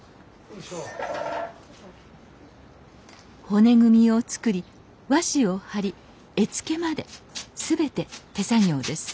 骨組みを作り和紙を貼り絵付けまで全て手作業です